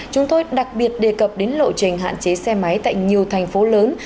chúng tôi đặc biệt đề cập đến lộ trình hạn chế xe máy tại nhiều thành phố lớn